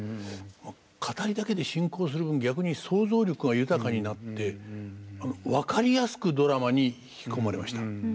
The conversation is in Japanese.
語りだけで進行する分逆に想像力が豊かになって分かりやすくドラマに引き込まれました。